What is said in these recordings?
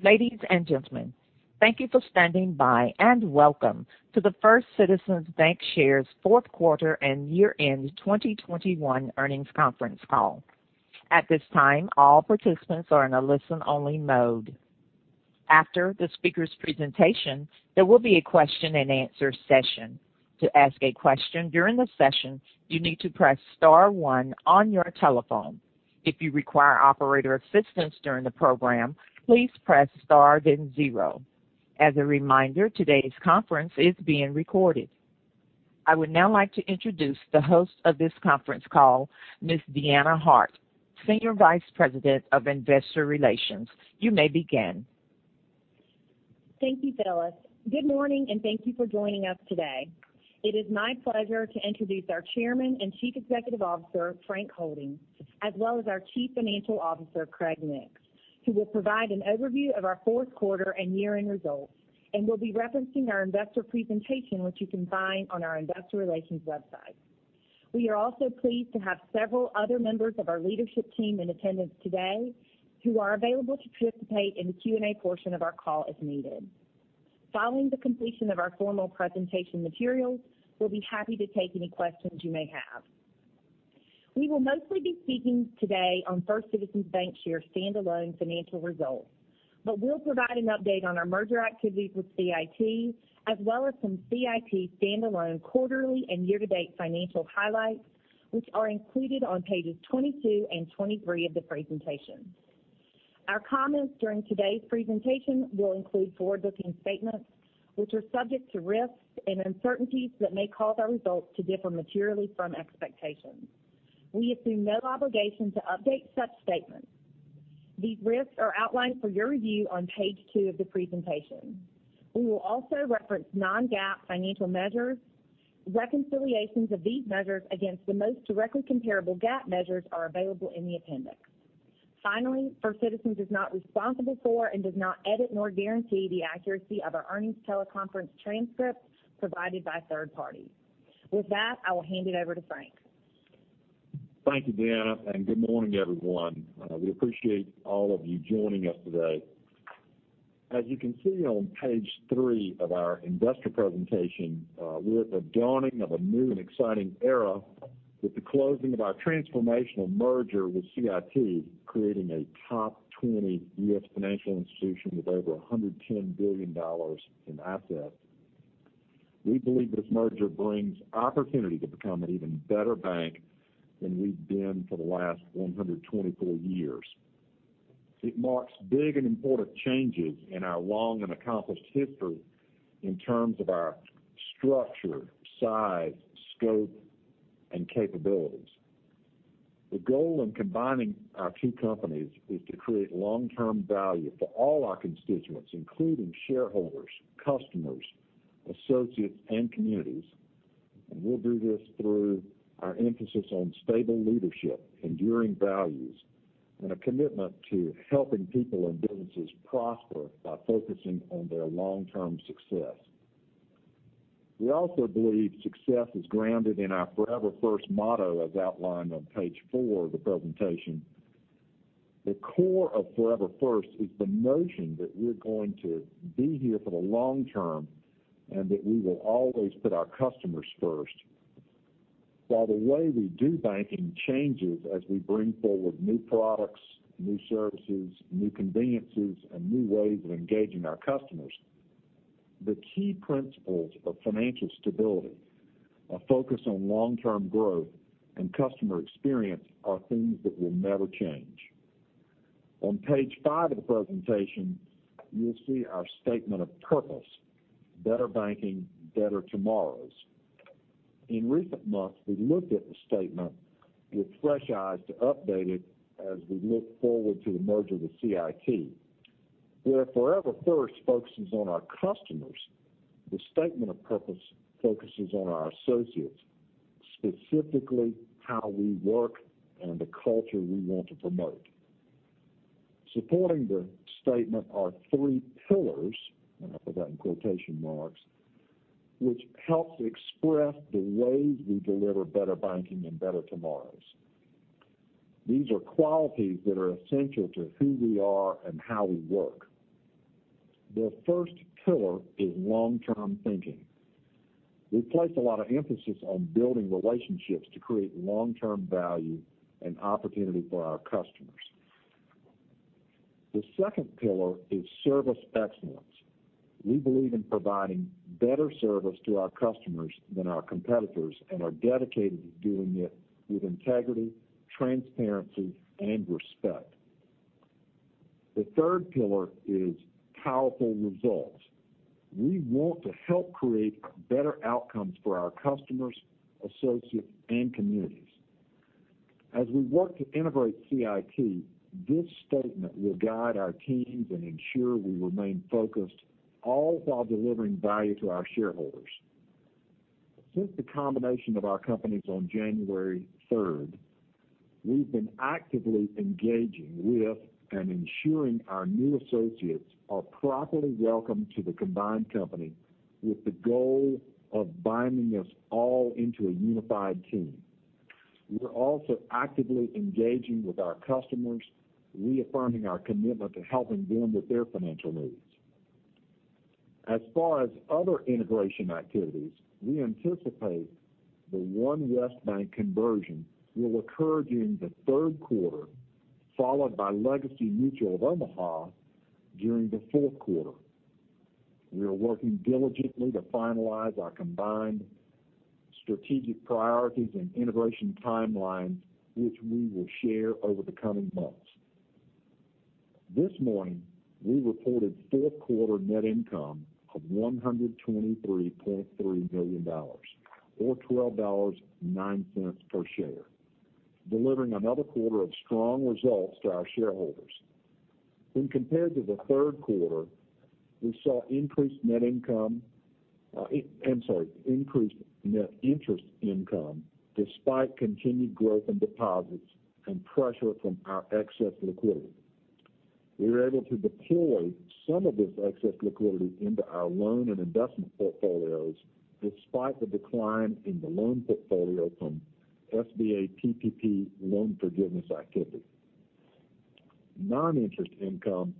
Ladies and gentlemen, thank you for standing by, and welcome to the First Citizens BancShares' fourth quarter and year-end 2021 earnings conference call. At this time, all participants are in a listen-only mode. After the speakers' presentation, there will be a question-and-answer session. To ask a question during the session, you need to press star one on your telephone. If you require operator assistance during the program, please press star then zero. As a reminder, today's conference is being recorded. I would now like to introduce the host of this conference call, Ms. Deanna Hart, Senior Vice President of Investor Relations. You may begin. Thank you, Phyllis. Good morning, and thank you for joining us today. It is my pleasure to introduce our Chairman and Chief Executive Officer, Frank Holding, as well as our Chief Financial Officer, Craig Nix, who will provide an overview of our fourth quarter and year-end results. We'll be referencing our investor presentation, which you can find on our investor relations website. We are also pleased to have several other members of our leadership team in attendance today who are available to participate in the Q&A portion of our call as needed. Following the completion of our formal presentation materials, we'll be happy to take any questions you may have. We will mostly be speaking today on First Citizens BancShares standalone financial results, but we'll provide an update on our merger activities with CIT, as well as some CIT standalone quarterly and year-to-date financial highlights, which are included on pages 22 and 23 of the presentation. Our comments during today's presentation will include forward-looking statements, which are subject to risks and uncertainties that may cause our results to differ materially from expectations. We assume no obligation to update such statements. These risks are outlined for your review on page two of the presentation. We will also reference non-GAAP financial measures. Reconciliations of these measures against the most directly comparable GAAP measures are available in the appendix. Finally, First Citizens is not responsible for and does not edit nor guarantee the accuracy of our earnings teleconference transcript provided by a third party. With that, I will hand it over to Frank. Thank you, Deanna, and good morning, everyone. We appreciate all of you joining us today. As you can see on page 3 of our investor presentation, we're at the dawning of a new and exciting era with the closing of our transformational merger with CIT, creating a top 20 U.S. financial institution with over $110 billion in assets. We believe this merger brings opportunity to become an even better bank than we've been for the last 124 years. It marks big and important changes in our long and accomplished history in terms of our structure, size, scope, and capabilities. The goal in combining our two companies is to create long-term value for all our constituents, including shareholders, customers, associates, and communities. We'll do this through our emphasis on stable leadership, enduring values, and a commitment to helping people and businesses prosper by focusing on their long-term success. We also believe success is grounded in our Forever First motto, as outlined on page four of the presentation. The core of Forever First is the notion that we're going to be here for the long term and that we will always put our customers first. While the way we do banking changes as we bring forward new products, new services, new conveniences, and new ways of engaging our customers, the key principles of financial stability, a focus on long-term growth and customer experience are things that will never change. On page five of the presentation, you'll see our statement of purpose. Better banking, better tomorrows. In recent months, we looked at the statement with fresh eyes to update it as we look forward to the merger with CIT. Where Forever First focuses on our customers, the statement of purpose focuses on our associates, specifically how we work and the culture we want to promote. Supporting the statement are three pillars, and I put that in quotation marks, which helps express the ways we deliver better banking and better tomorrows. These are qualities that are essential to who we are and how we work. The first pillar is long-term thinking. We place a lot of emphasis on building relationships to create long-term value and opportunity for our customers. The second pillar is service excellence. We believe in providing better service to our customers than our competitors and are dedicated to doing it with integrity, transparency, and respect. The third pillar is powerful results. We want to help create better outcomes for our customers, associates, and communities. As we work to integrate CIT, this statement will guide our teams and ensure we remain focused, all while delivering value to our shareholders. Since the combination of our companies on January third, we've been actively engaging with and ensuring our new associates are properly welcomed to the combined company with the goal of binding us all into a unified team. We're also actively engaging with our customers, reaffirming our commitment to helping them with their financial needs. As far as other integration activities, we anticipate the OneWest Bank conversion will occur during the third quarter, followed by legacy Mutual of Omaha during the fourth quarter. We are working diligently to finalize our combined strategic priorities and integration timeline, which we will share over the coming months. This morning, we reported fourth quarter net income of $123.3 million or $12.09 per share, delivering another quarter of strong results to our shareholders. When compared to the third quarter, we saw increased net interest income, despite continued growth in deposits and pressure from our excess liquidity. We were able to deploy some of this excess liquidity into our loan and investment portfolios, despite the decline in the loan portfolio from SBA PPP loan forgiveness activity. Non-interest income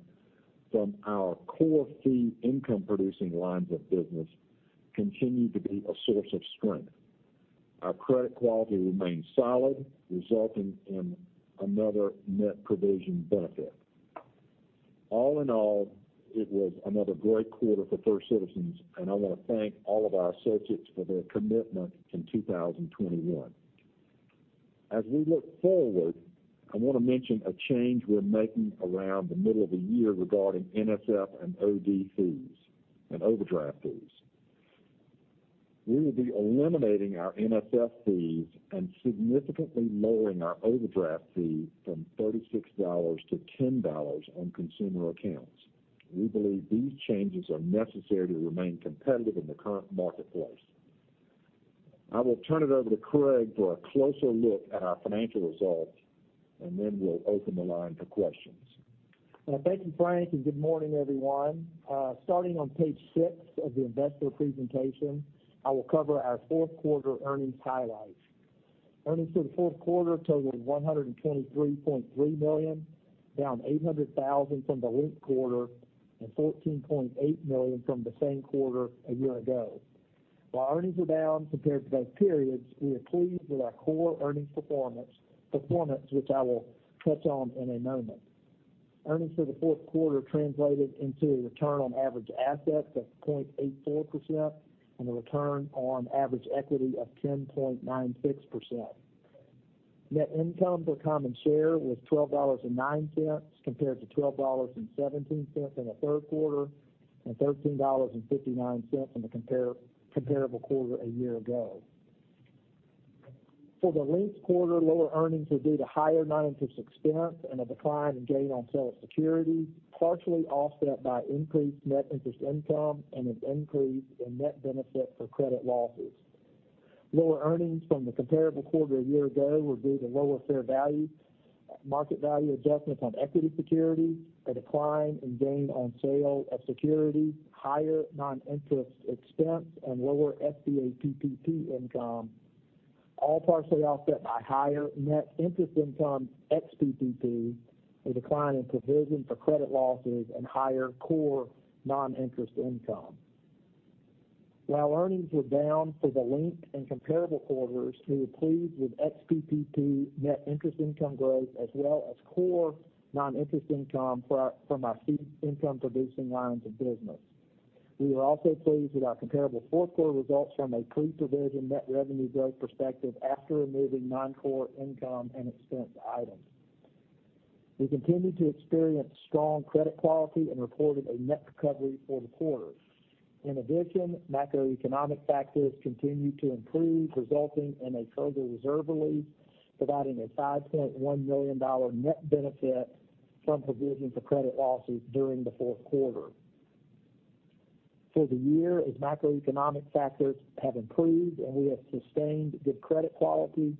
from our core fee income producing lines of business continued to be a source of strength. Our credit quality remains solid, resulting in another net provision benefit. All in all, it was another great quarter for First Citizens, and I want to thank all of our associates for their commitment in 2021. As we look forward, I want to mention a change we're making around the middle of the year regarding NSF and OD fees and overdraft fees. We will be eliminating our NSF fees and significantly lowering our overdraft fee from $36 to $10 on consumer accounts. We believe these changes are necessary to remain competitive in the current marketplace. I will turn it over to Craig for a closer look at our financial results, and then we'll open the line for questions. Thank you, Frank, and good morning, everyone. Starting on page 6 of the investor presentation, I will cover our fourth quarter earnings highlights. Earnings for the fourth quarter totaled $123.3 million, down $800,000 from the linked quarter and $14.8 million from the same quarter a year ago. While earnings were down compared to those periods, we are pleased with our core earnings performance which I will touch on in a moment. Earnings for the fourth quarter translated into a return on average assets of 0.84% and a return on average equity of 10.96%. Net income per common share was $12.09 compared to $12.17 in the third quarter and $13.59 in the comparable quarter a year ago. For the linked quarter, lower earnings were due to higher non-interest expense and a decline in gain on sale of securities, partially offset by increased net interest income and an increase in net benefit for credit losses. Lower earnings from the comparable quarter a year ago were due to lower fair value, market value adjustments on equity securities, a decline in gain on sale of securities, higher non-interest expense, and lower SBA PPP income, all partially offset by higher net interest income ex PPP, a decline in provision for credit losses, and higher core non-interest income. While earnings were down for the linked and comparable quarters, we were pleased with ex PPP net interest income growth, as well as core non-interest income from our fee income producing lines of business. We were also pleased with our comparable fourth quarter results from a pre-provision net revenue growth perspective after removing non-core income and expense items. We continued to experience strong credit quality and reported a net recovery for the quarter. In addition, macroeconomic factors continued to improve, resulting in a further reserve release, providing a $5.1 million net benefit from provision for credit losses during the fourth quarter. For the year, as macroeconomic factors have improved and we have sustained good credit quality,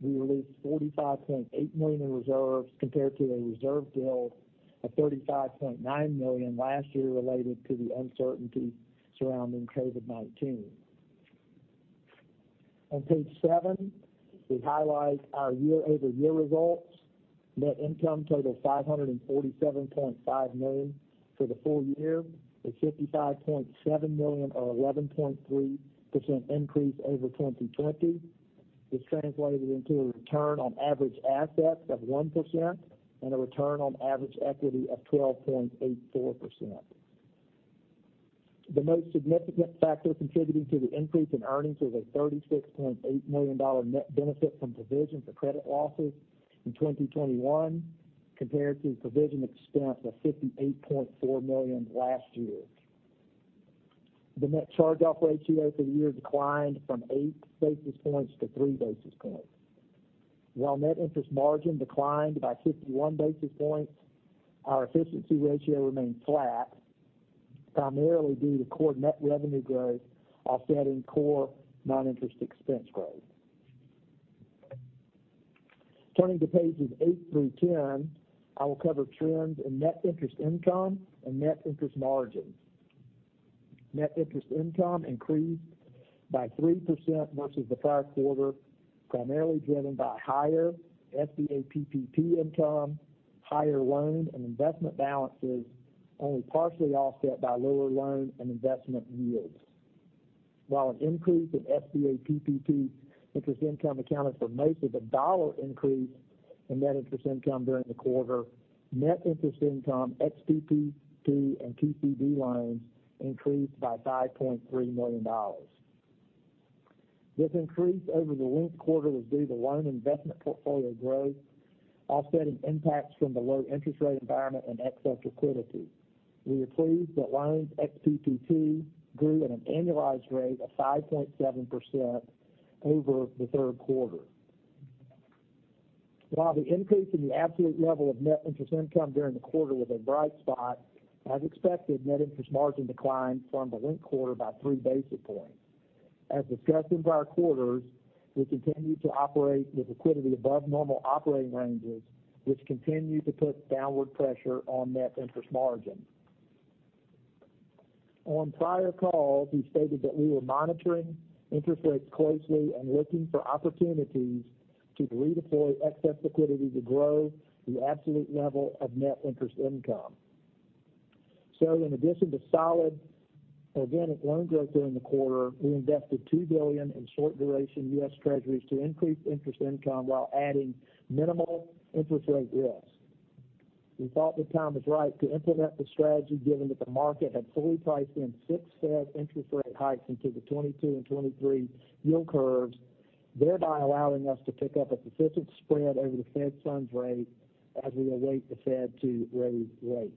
we released $45.8 million in reserves compared to a reserve build of $35.9 million last year related to the uncertainty surrounding COVID-19. On page seven, we highlight our year-over-year results. Net income totaled $547.5 million for the full year, a $55.7 million or 11.3% increase over 2020. This translated into a return on average assets of 1% and a return on average equity of 12.84%. The most significant factor contributing to the increase in earnings was a $36.8 million net benefit from provision for credit losses in 2021 compared to provision expense of $58.4 million last year. The net charge-off ratio for the year declined from 8 basis points to 3 basis points. While net interest margin declined by 51 basis points, our efficiency ratio remained flat, primarily due to core net revenue growth offsetting core non-interest expense growth. Turning to pages 8 through 10, I will cover trends in net interest income and net interest margin. Net interest income increased by 3% versus the prior quarter, primarily driven by higher SBA PPP income, higher loan and investment balances, only partially offset by lower loan and investment yields. While an increase in SBA PPP interest income accounted for most of the dollar increase in net interest income during the quarter, net interest income ex PPP and PCI loans increased by $5.3 million. This increase over the linked quarter was due to loan investment portfolio growth, offsetting impacts from the low interest rate environment and excess liquidity. We are pleased that loans ex PPP grew at an annualized rate of 5.7% over the third quarter. While the increase in the absolute level of net interest income during the quarter was a bright spot, as expected, net interest margin declined from the linked quarter by three basis points. As discussed in prior quarters, we continue to operate with liquidity above normal operating ranges, which continue to put downward pressure on net interest margin. On prior calls, we stated that we were monitoring interest rates closely and looking for opportunities to redeploy excess liquidity to grow the absolute level of net interest income. In addition to solid organic loan growth during the quarter, we invested $2 billion in short duration U.S. Treasuries to increase interest income while adding minimal interest rate risk. We thought the time was right to implement the strategy given that the market had fully priced in six Fed interest rate hikes into the 2022 and 2023 yield curves, thereby allowing us to pick up a sufficient spread over the Fed funds rate as we await the Fed to raise rates.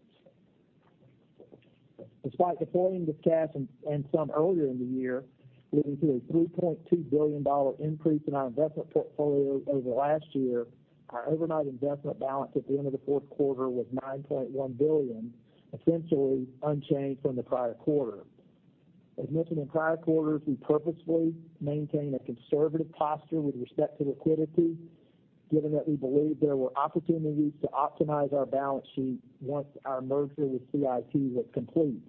Despite deploying this cash and some earlier in the year, leading to a $3.2 billion increase in our investment portfolio over last year, our overnight investment balance at the end of the fourth quarter was $9.1 billion, essentially unchanged from the prior quarter. As mentioned in prior quarters, we purposefully maintain a conservative posture with respect to liquidity, given that we believe there were opportunities to optimize our balance sheet once our merger with CIT was complete.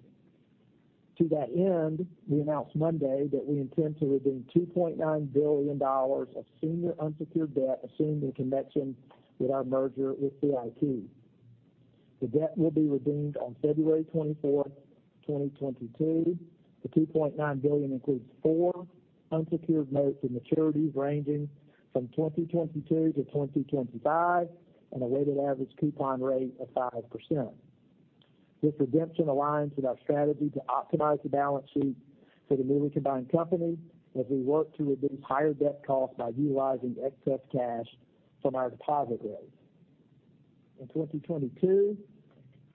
To that end, we announced Monday that we intend to redeem $2.9 billion of senior unsecured debt assumed in connection with our merger with CIT. The debt will be redeemed on February 24th, 2022. The $2.9 billion includes 4 unsecured notes and maturities ranging from 2022 to 2025 and a weighted average coupon rate of 5%. This redemption aligns with our strategy to optimize the balance sheet for the newly combined company as we work to reduce higher debt costs by utilizing excess cash from our deposit base. In 2022,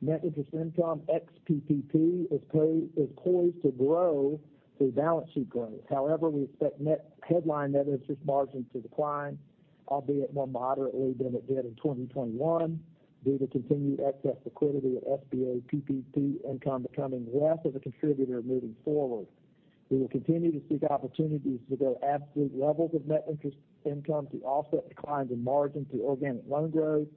net interest income ex PPP is poised to grow through balance sheet growth. However, we expect net headline net interest margin to decline, albeit more moderately than it did in 2021, due to continued excess liquidity with SBA PPP income becoming less of a contributor moving forward. We will continue to seek opportunities to grow absolute levels of net interest income to offset declines in margin through organic loan growth,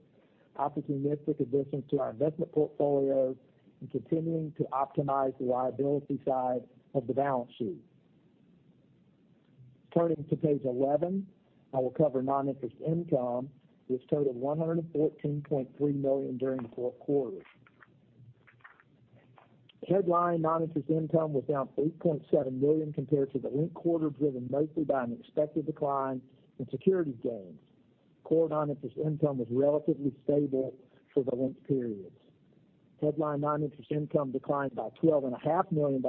opportunistic additions to our investment portfolio, and continuing to optimize the liability side of the balance sheet. Turning to page 11, I will cover non-interest income, which totaled $114.3 million during the fourth quarter. Headline non-interest income was down $8.7 million compared to the linked quarter, driven mostly by an expected decline in security gains. Core non-interest income was relatively stable for the linked periods. Headline non-interest income declined by $12 and a half million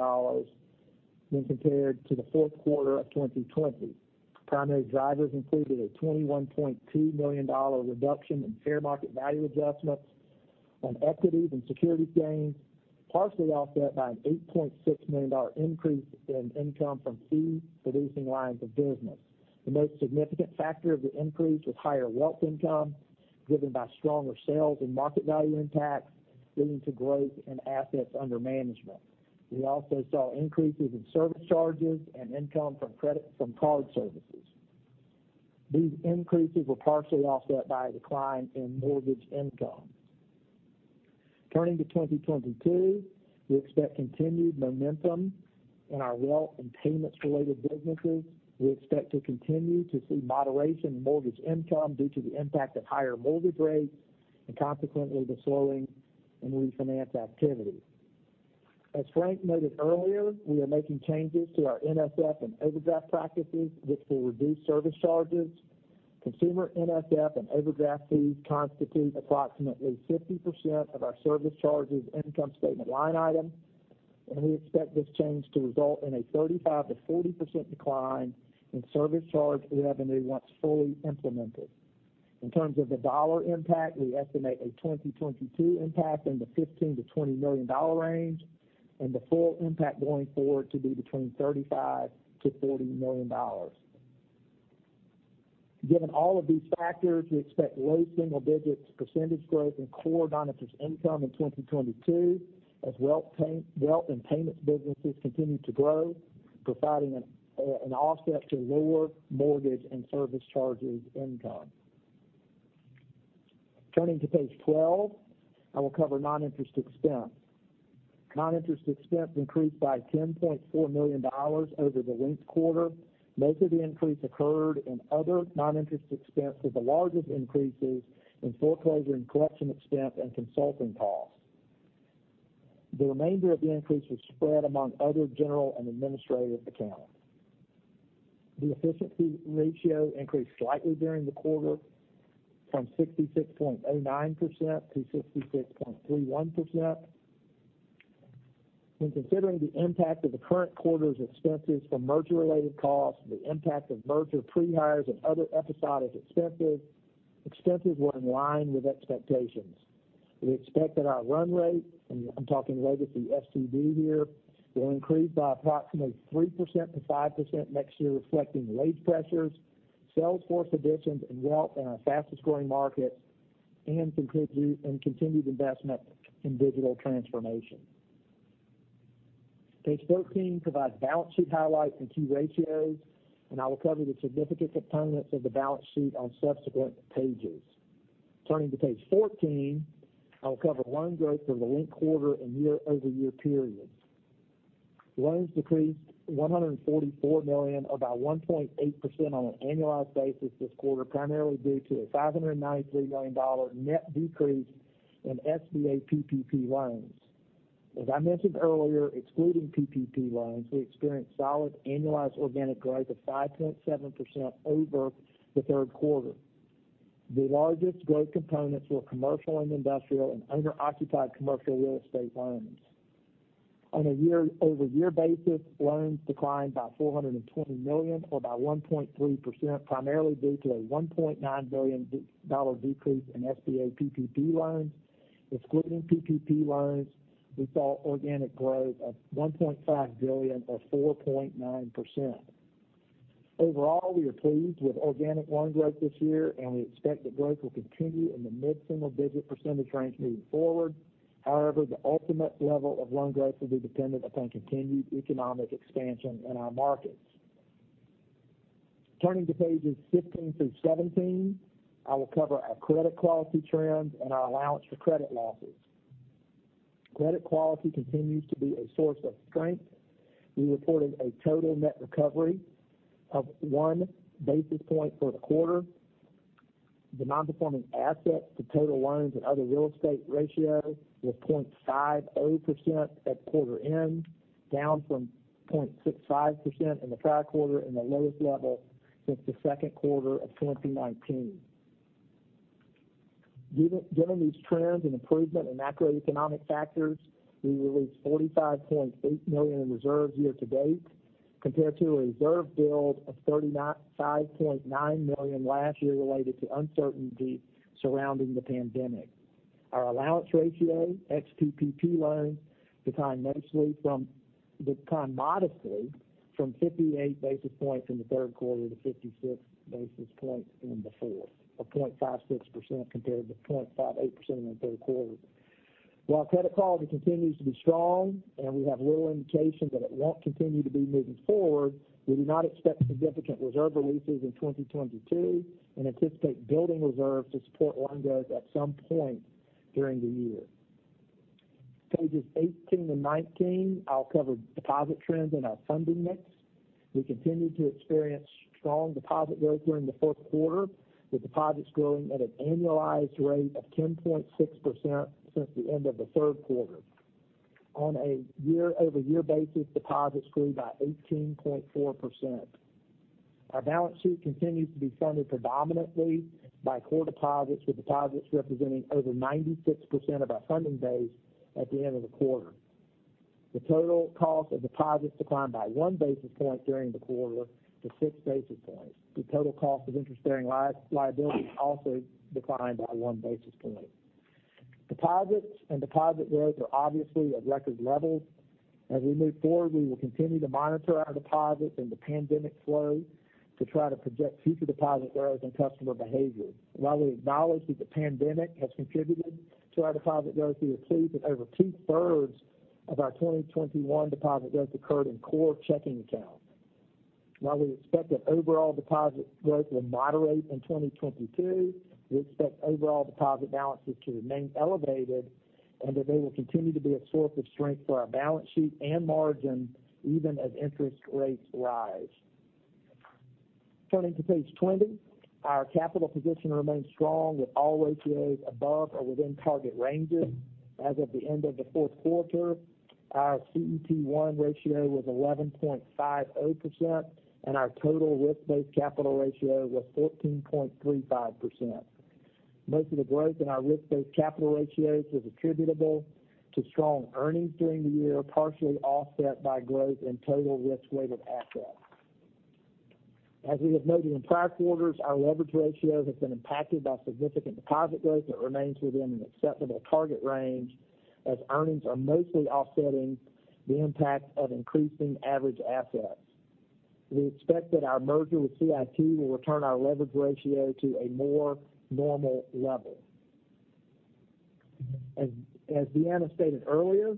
when compared to the fourth quarter of 2020. Primary drivers included a $21.2 million reduction in fair market value adjustments on equities and securities gains, partially offset by an $8.6 million increase in income from fee producing lines of business. The most significant factor of the increase was higher wealth income driven by stronger sales and market value impact, leading to growth in assets under management. We also saw increases in service charges and income from credit from card services. These increases were partially offset by a decline in mortgage income. Turning to 2022, we expect continued momentum in our wealth and payments related businesses. We expect to continue to see moderation in mortgage income due to the impact of higher mortgage rates and consequently the slowing in refinance activity. As Frank noted earlier, we are making changes to our NSF and overdraft practices, which will reduce service charges. Consumer NSF and overdraft fees constitute approximately 50% of our service charges income statement line item, and we expect this change to result in a 35%-40% decline in service charge revenue once fully implemented. In terms of the dollar impact, we estimate a 2022 impact in the $15-$20 million range and the full impact going forward to be between $35 to $40 million. Given all of these factors, we expect low single digits % growth in core non-interest income in 2022 as wealth and payments businesses continue to grow, providing an offset to lower mortgage and service charges income. Turning to page 12, I will cover non-interest expense. Non-interest expense increased by $10.4 million over the linked quarter. Most of the increase occurred in other non-interest expense, with the largest increases in foreclosure and collection expense and consulting costs. The remainder of the increase was spread among other general and administrative accounts. The efficiency ratio increased slightly during the quarter from 66.09% to 66.31%. When considering the impact of the current quarter's expenses from merger-related costs, the impact of merger pre-hires and other episodic expenses were in line with expectations. We expect that our run rate, and I'm talking legacy FCB here, will increase by approximately 3%-5% next year, reflecting wage pressures, sales force additions, and wealth in our fastest-growing markets, and continued investment in digital transformation. Page 13 provides balance sheet highlights and key ratios, and I will cover the significant components of the balance sheet on subsequent pages. Turning to page 14, I will cover loan growth for the linked quarter and year-over-year periods. Loans decreased $144 million, about 1.8% on an annualized basis this quarter, primarily due to a $593 million net decrease in SBA PPP loans. As I mentioned earlier, excluding PPP loans, we experienced solid annualized organic growth of 5.7% over the third quarter. The largest growth components were commercial and industrial and owner-occupied commercial real estate loans. On a year-over-year basis, loans declined by $420 million or by 1.3%, primarily due to a $1.9 billion dollar decrease in SBA PPP loans. Excluding PPP loans, we saw organic growth of $1.5 billion or 4.9%. Overall, we are pleased with organic loan growth this year, and we expect that growth will continue in the mid-single-digit percentage range moving forward. However, the ultimate level of loan growth will be dependent upon continued economic expansion in our markets. Turning to pages 15 through 17, I will cover our credit quality trends and our allowance for credit losses. Credit quality continues to be a source of strength. We reported a total net recovery of one basis point for the quarter. The nonperforming asset to total loans and other real estate ratio was 0.50% at quarter end, down from 0.65% in the prior quarter and the lowest level since the second quarter of 2019. Given these trends and improvement in macroeconomic factors, we released $45.8 million in reserves year to date, compared to a reserve build of $35.9 million last year related to uncertainty surrounding the pandemic. Our allowance ratio, ex-PPP loans, declined modestly from 58 basis points in the third quarter to 56 basis points in the fourth, or 0.56% compared to 0.58% in the third quarter. While credit quality continues to be strong and we have little indication that it won't continue to be moving forward, we do not expect significant reserve releases in 2022 and anticipate building reserves to support loan growth at some point during the year. Pages 18 and 19, I'll cover deposit trends and our funding mix. We continued to experience strong deposit growth during the fourth quarter, with deposits growing at an annualized rate of 10.6% since the end of the third quarter. On a year-over-year basis, deposits grew by 18.4%. Our balance sheet continues to be funded predominantly by core deposits, with deposits representing over 96% of our funding base at the end of the quarter. The total cost of deposits declined by 1 basis point during the quarter to 6 basis points. The total cost of interest-bearing liability also declined by 1 basis point. Deposits and deposit growth are obviously at record levels. As we move forward, we will continue to monitor our deposits and the pandemic flow to try to project future deposit growth and customer behavior. While we acknowledge that the pandemic has contributed to our deposit growth, we are pleased that over two-thirds of our 2021 deposit growth occurred in core checking accounts. While we expect that overall deposit growth will moderate in 2022, we expect overall deposit balances to remain elevated, and that they will continue to be a source of strength for our balance sheet and margin, even as interest rates rise. Turning to page 20, our capital position remains strong with all ratios above or within target ranges. As of the end of the fourth quarter, our CET1 ratio was 11.50%, and our total risk-based capital ratio was 14.35%. Most of the growth in our risk-based capital ratios is attributable to strong earnings during the year, partially offset by growth in total risk-weighted assets. As we have noted in prior quarters, our leverage ratio has been impacted by significant deposit growth that remains within an acceptable target range as earnings are mostly offsetting the impact of increasing average assets. We expect that our merger with CIT will return our leverage ratio to a more normal level. As Deanna stated earlier,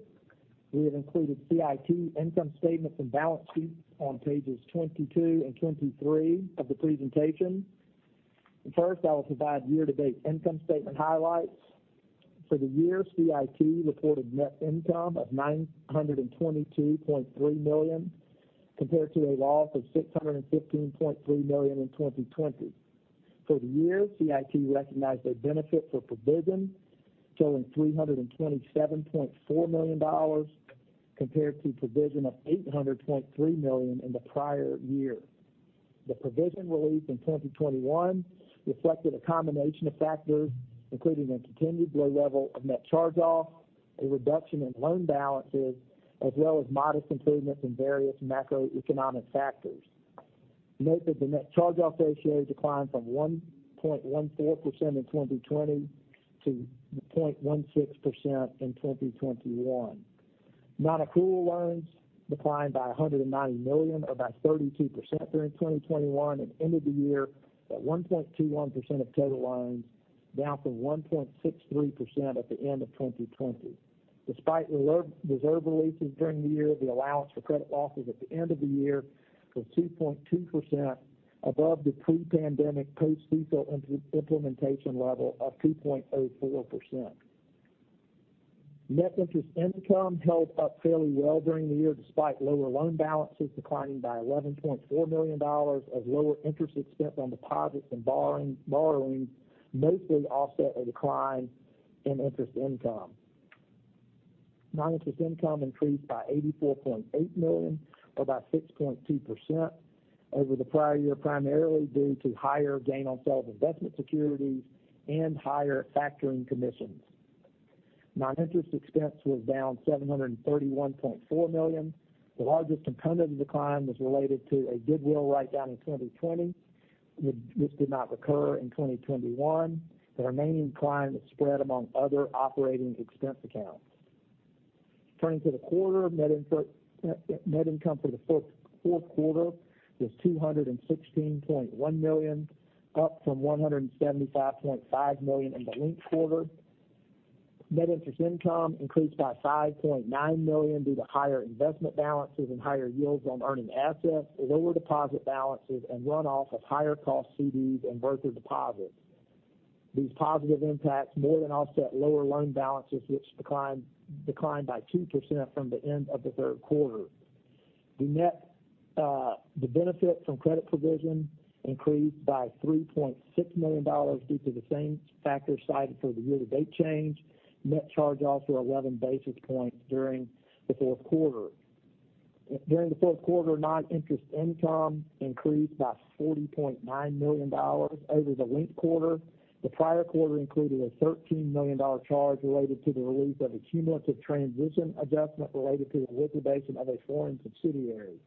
we have included CIT income statements and balance sheets on pages 22 and 23 of the presentation. First, I will provide year-to-date income statement highlights. For the year, CIT reported net income of $922.3 million, compared to a loss of $615.3 million in 2020. For the year, CIT recognized a benefit for provision totaling $327.4 million compared to provision of $800.3 million in the prior year. The provision released in 2021 reflected a combination of factors, including a continued low level of net charge-offs, a reduction in loan balances, as well as modest improvements in various macroeconomic factors. Note that the net charge-off ratio declined from 1.14% in 2020 to 0.16% in 2021. Non-accrual loans declined by $190 million, or by 32% during 2021 and ended the year at 1.21% of total loans, down from 1.63% at the end of 2020. Despite reserve releases during the year, the allowance for credit losses at the end of the year was 2.2% above the pre-pandemic post-CECL implementation level of 2.04%. Net interest income held up fairly well during the year, despite lower loan balances declining by $11.4 million as lower interest expense on deposits and borrowing mostly offset a decline in interest income. Noninterest income increased by $84.8 million, or by 6.2% over the prior year, primarily due to higher gain on sale of investment securities and higher factoring commissions. Noninterest expense was down $731.4 million. The largest component of decline was related to a goodwill write-down in 2020. This did not recur in 2021. The remaining decline is spread among other operating expense accounts. Turning to the quarter, net income for the fourth quarter was $216.1 million, up from $175.5 million in the linked quarter. Net interest income increased by $5.9 million due to higher investment balances and higher yields on earning assets, lower deposit balances, and runoff of higher cost CDs and broker deposits. These positive impacts more than offset lower loan balances, which declined by 2% from the end of the third quarter. The net benefit from credit provision increased by $3.6 million due to the same factors cited for the year-to-date change. Net charge-offs were 11 basis points during the fourth quarter. During the fourth quarter, non-interest income increased by $40.9 million over the linked quarter. The prior quarter included a $13 million charge related to the release of a cumulative transition adjustment related to the liquidation of a foreign subsidiary.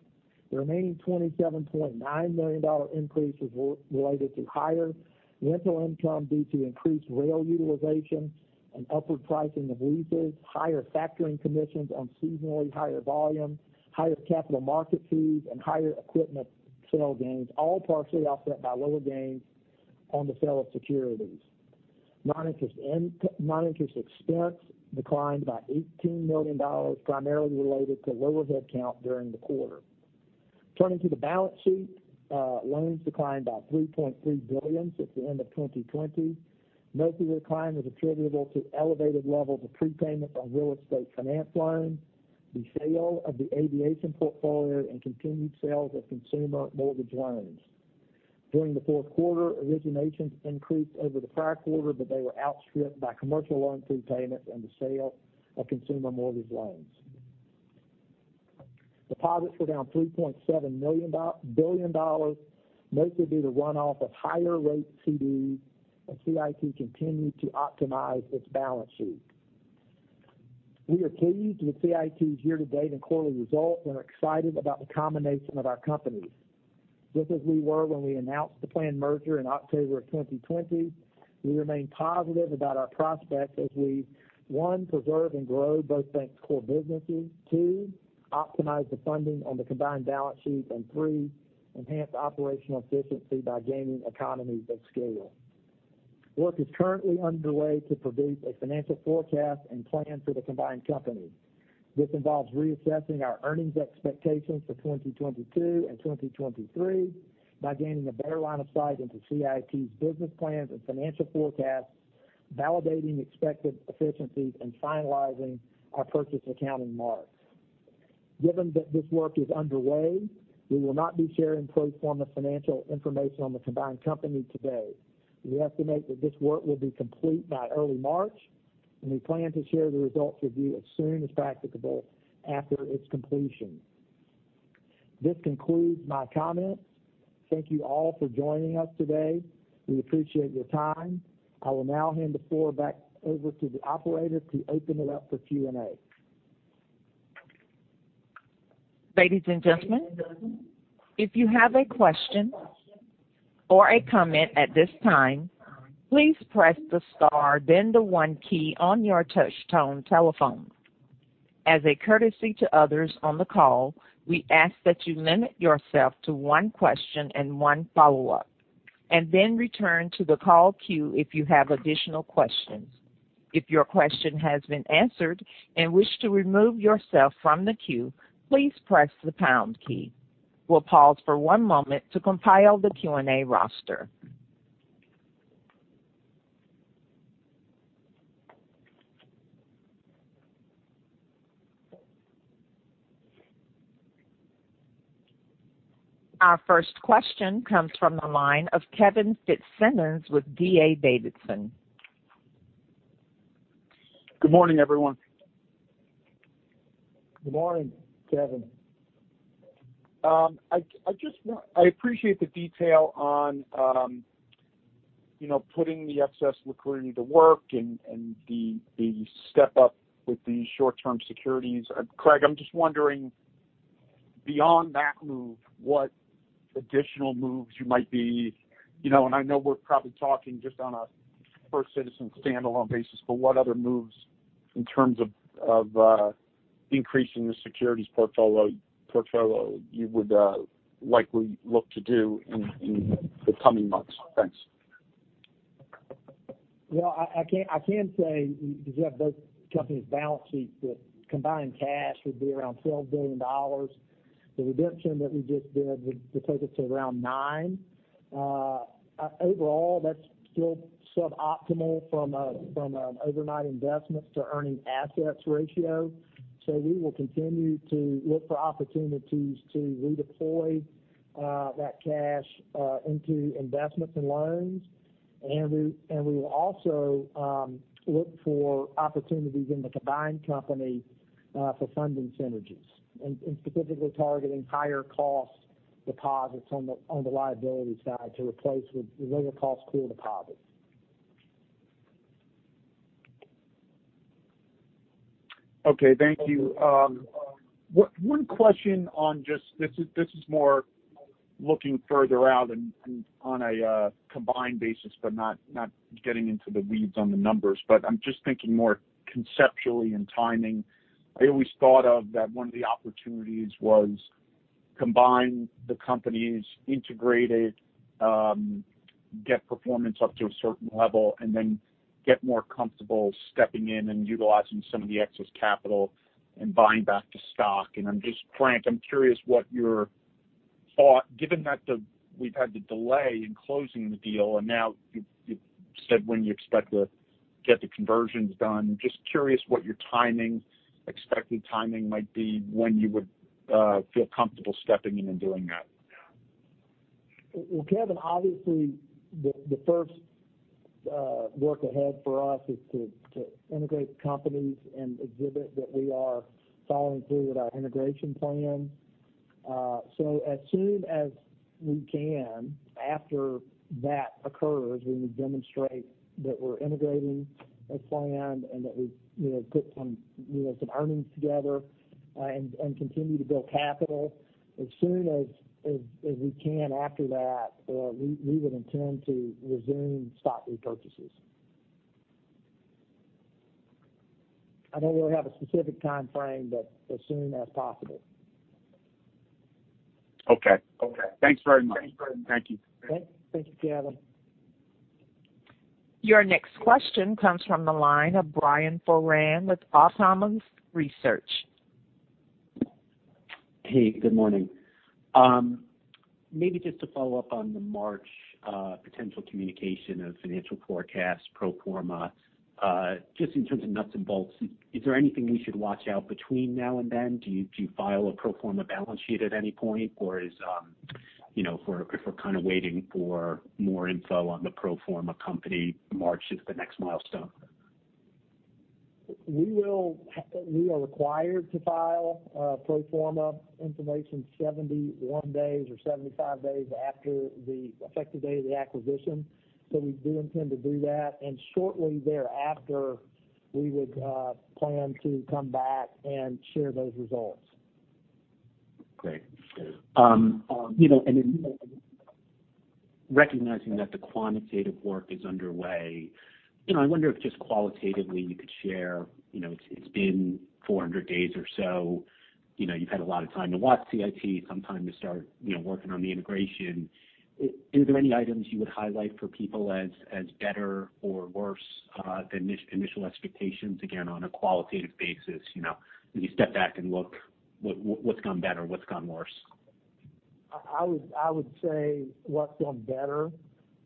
The remaining $27.9 million increase was related to higher rental income due to increased rail utilization and upward pricing of leases, higher factoring commissions on seasonally higher volume, higher capital market fees, and higher equipment sale gains, all partially offset by lower gains on the sale of securities. Non-interest expense declined by $18 million, primarily related to lower headcount during the quarter. Turning to the balance sheet, loans declined by $3.3 billion since the end of 2020. Most of the decline was attributable to elevated levels of prepayment on real estate finance loans, the sale of the aviation portfolio, and continued sales of consumer mortgage loans. During the fourth quarter, originations increased over the prior quarter, but they were outstripped by commercial loan prepayments and the sale of consumer mortgage loans. Deposits were down $3.7 billion, mostly due to runoff of higher rate CDs, as CIT continued to optimize its balance sheet. We are pleased with CIT's year-to-date and quarterly results and are excited about the combination of our companies. Just as we were when we announced the planned merger in October of 2020, we remain positive about our prospects as we, one, preserve and grow both banks' core businesses. Two, optimize the funding on the combined balance sheet. Three, enhance operational efficiency by gaining economies of scale. Work is currently underway to produce a financial forecast and plan for the combined company. This involves reassessing our earnings expectations for 2022 and 2023 by gaining a better line of sight into CIT's business plans and financial forecasts, validating expected efficiencies, and finalizing our purchase accounting marks. Given that this work is underway, we will not be sharing pro forma financial information on the combined company today. We estimate that this work will be complete by early March, and we plan to share the results with you as soon as practicable after its completion. This concludes my comments. Thank you all for joining us today. We appreciate your time. I will now hand the floor back over to the operator to open it up for Q&A. Ladies and gentlemen, if you have a question or a comment at this time, please press the star then the one key on your touch tone telephone. As a courtesy to others on the call, we ask that you limit yourself to one question and one follow-up, and then return to the call queue if you have additional questions. If your question has been answered and wish to remove yourself from the queue, please press the pound key. We'll pause for one moment to compile the Q&A roster. Our first question comes from the line of Kevin Fitzsimmons with D.A. Davidson. Good morning, everyone. Good morning, Kevin. I appreciate the detail on, you know, putting the excess liquidity to work and the step up with the short-term securities. Craig, I'm just wondering, beyond that move, what additional moves you might be, you know, and I know we're probably talking just on a First Citizens standalone basis, but what other moves in terms of increasing the securities portfolio you would likely look to do in the coming months? Thanks. Well, I can say, if you have both companies' balance sheets, the combined cash would be around $12 billion. The redemption that we just did would take it to around $9 billion. Overall, that's still suboptimal from overnight investments to earning assets ratio. We will continue to look for opportunities to redeploy that cash into investments and loans. We will also look for opportunities in the combined company for funding synergies and specifically targeting higher cost deposits on the liabilities side to replace with lower cost core deposits. Okay, thank you. One question on just this is more looking further out and on a combined basis, but not getting into the weeds on the numbers. I'm just thinking more conceptually in timing. I always thought of that one of the opportunities was combine the companies, integrate it, get performance up to a certain level, and then get more comfortable stepping in and utilizing some of the excess capital and buying back the stock. I'm just Frank, I'm curious what your thought, given that we've had the delay in closing the deal, and now you said when you expect to get the conversions done. Just curious what your timing, expected timing might be when you would feel comfortable stepping in and doing that. Well, Kevin, obviously, the first work ahead for us is to integrate companies and exhibit that we are following through with our integration plan. As soon as we can, after that occurs, we will demonstrate that we're integrating as planned and that we've, you know, put some, you know, some earnings together, and continue to build capital. As soon as we can after that, we would intend to resume stock repurchases. I don't really have a specific timeframe, but as soon as possible. Okay. Thanks very much. Thank you. Thank you, Kevin. Your next question comes from the line of Brian Foran with Autonomous Research. Hey, good morning. Maybe just to follow up on the March potential communication of financial forecast pro forma, just in terms of nuts and bolts, is there anything we should watch out between now and then? Do you file a pro forma balance sheet at any point? Or, you know, if we're kind of waiting for more info on the pro forma company, March is the next milestone. We are required to file pro forma information 71 days or 75 days after the effective date of the acquisition. We do intend to do that. Shortly thereafter, we would plan to come back and share those results. Great. You know, recognizing that the quantitative work is underway, you know, I wonder if just qualitatively you could share, you know, it's been 400 days or so. You know, you've had a lot of time to watch CIT, some time to start, you know, working on the integration. Is there any items you would highlight for people as better or worse than initial expectations, again, on a qualitative basis? You know, when you step back and look, what's gone better, what's gone worse. I would say what's gone better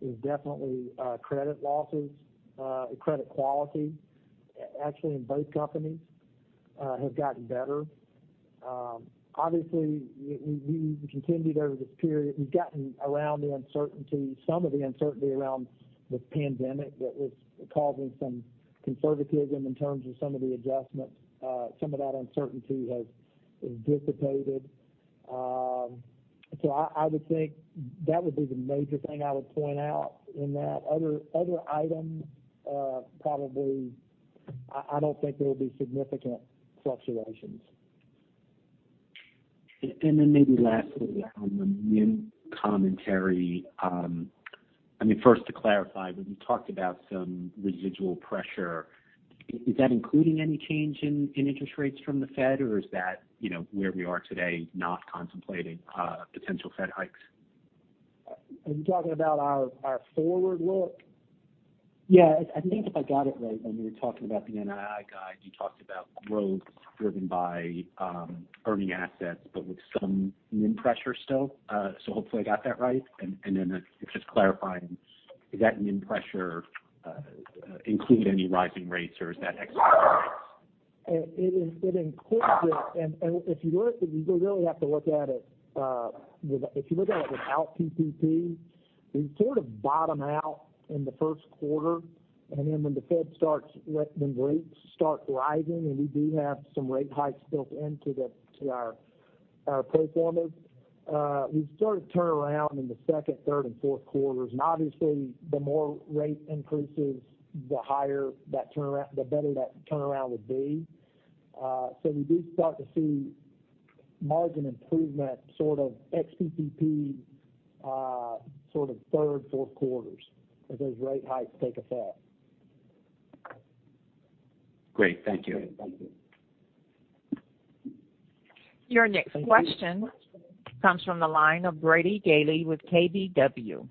is definitely credit losses, credit quality, actually in both companies have gotten better. Obviously, we continued over this period. We've gotten around the uncertainty, some of the uncertainty around the pandemic that was causing some conservatism in terms of some of the adjustments. Some of that uncertainty has dissipated. I would think that would be the major thing I would point out in that. Other items, probably, I don't think there will be significant fluctuations. Maybe lastly on the NIM commentary, first to clarify, when you talked about some residual pressure, is that including any change in interest rates from the Fed, or is that where we are today, not contemplating potential Fed hikes? Are you talking about our forward look? Yeah. I think if I got it right when you were talking about the NII guide, you talked about growth driven by earning assets, but with some NIM pressure still. So hopefully I got that right. Then it's just clarifying, does that NIM pressure include any rising rates, or is that ex rates? It includes it. If you look at it without PPP, we sort of bottom out in the first quarter. When rates start rising, and we do have some rate hikes built into our pro formas, we sort of turn around in the second, third and fourth quarters. Obviously, the more rate increases, the higher that turnaround, the better that turnaround would be. We do start to see margin improvement sort of ex PPP sort of third, fourth quarters as those rate hikes take effect. Great. Thank you. Your next question comes from the line of Brady Gailey with KBW.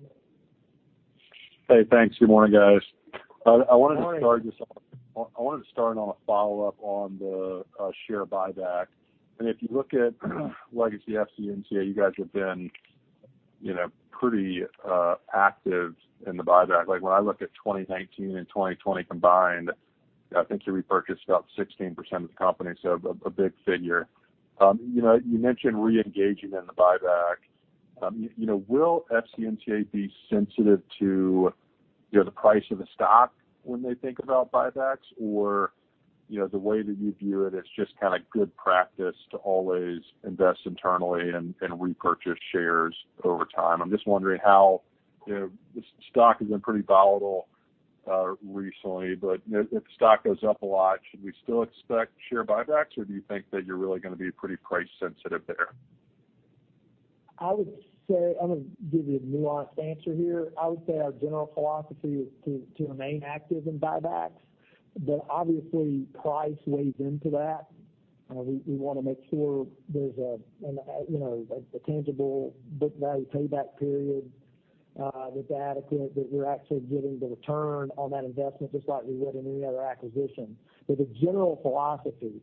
Hey, thanks. Good morning, guys. Good morning. I wanted to start on a follow-up on the share buyback. If you look at legacy FCNCA, you guys have been, you know, pretty active in the buyback. Like, when I look at 2019 and 2020 combined, I think you repurchased about 16% of the company, so a big figure. You know, you mentioned reengaging in the buyback. You know, will FCNCA be sensitive to, you know, the price of the stock when they think about buybacks? Or, you know, the way that you view it's just kind of good practice to always invest internally and repurchase shares over time. I'm just wondering how, you know, the stock has been pretty volatile recently, but if the stock goes up a lot, should we still expect share buybacks, or do you think that you're really gonna be pretty price sensitive there? I would say, I'm gonna give you a nuanced answer here. I would say our general philosophy is to remain active in buybacks, but obviously price weighs into that. We wanna make sure there's you know, a tangible book value payback period that's adequate, that you're actually getting the return on that investment, just like we would in any other acquisition. The general philosophy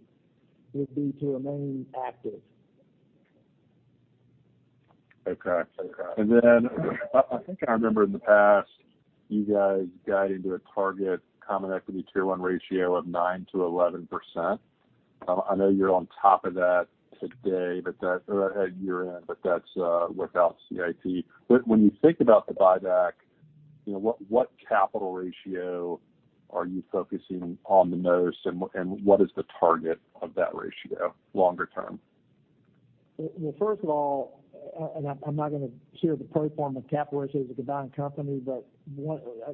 would be to remain active. Okay. I think I remember in the past you guys guided to a target Common Equity Tier 1 ratio of 9%-11%. I know you're on top of that today, but that or at year-end, but that's without CIT. When you think about the buyback, you know, what capital ratio are you focusing on the most, and what is the target of that ratio longer term? Well, first of all, I'm not gonna share the pro forma capital ratios of the combined company, but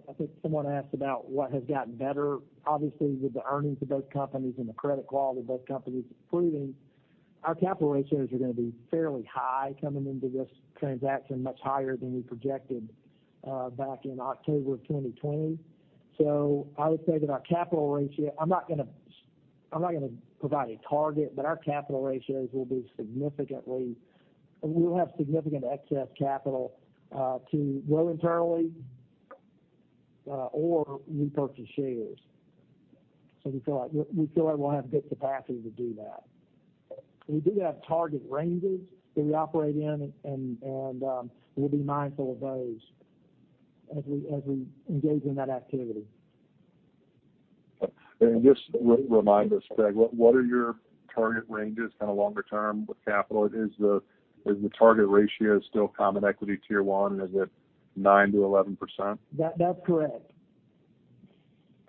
I think someone asked about what has gotten better. Obviously, with the earnings of both companies and the credit quality of both companies improving, our capital ratios are gonna be fairly high coming into this transaction, much higher than we projected back in October 2020. I would say that our capital ratio. I'm not gonna provide a target, but our capital ratios will be significantly. We'll have significant excess capital to grow internally or repurchase shares. We feel like we'll have good capacity to do that. We do have target ranges that we operate in and we'll be mindful of those as we engage in that activity. Just remind us, Craig, what are your target ranges kind of longer term with capital? Is the target ratio still Common Equity Tier 1? Is it 9%-11%? That, that's correct.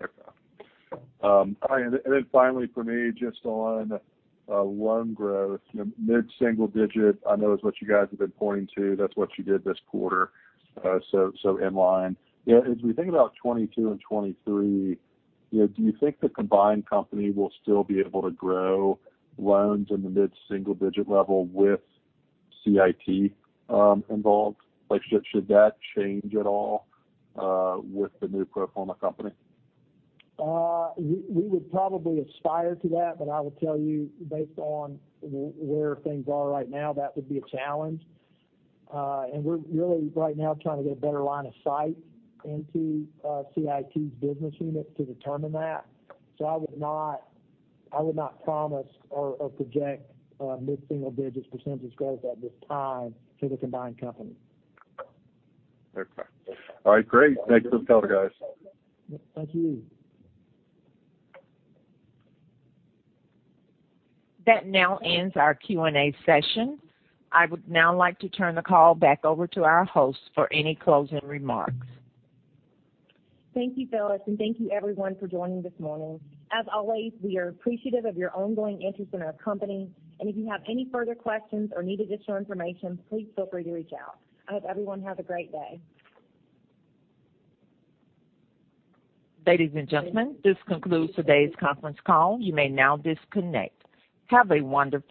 Okay. All right. Then finally for me, just on loan growth. Mid-single digit I know is what you guys have been pointing to. That's what you did this quarter, so in line. You know, as we think about 2022 and 2023, you know, do you think the combined company will still be able to grow loans in the mid-single digit level with CIT involved? Like, should that change at all with the new pro forma company? We would probably aspire to that, but I will tell you, based on where things are right now, that would be a challenge. We're really right now trying to get a better line of sight into CIT's business unit to determine that. I would not promise or project a mid-single digits % growth at this time for the combined company. Okay. All right. Great. Thanks for the color, guys. Thank you. That now ends our Q&A session. I would now like to turn the call back over to our host for any closing remarks. Thank you, Phyllis, and thank you everyone for joining this morning. As always, we are appreciative of your ongoing interest in our company. If you have any further questions or need additional information, please feel free to reach out. I hope everyone has a great day. Ladies and gentlemen, this concludes today's conference call. You may now disconnect. Have a wonderful day.